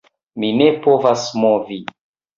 Mi ne povas movi.